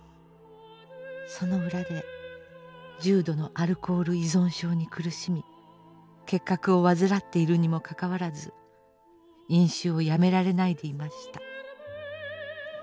その裏で重度のアルコール依存症に苦しみ結核を患っているにもかかわらず飲酒をやめられないでいました。